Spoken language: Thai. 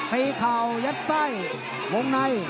เป็นค่ายัดใส่มุมใน